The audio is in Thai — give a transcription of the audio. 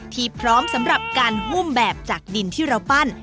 พร้อมสำหรับการหุ้มแบบจากดินที่เราปั้น